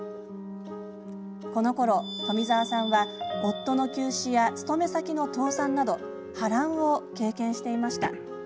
このころ、富澤さんは夫の急死や勤め先の倒産など波乱を経験していました。